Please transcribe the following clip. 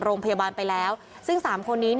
โรงพยาบาลไปแล้วซึ่ง๓คนนี้